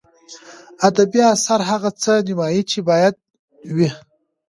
ادبي اثر هغه څه نمایي چې باید وي.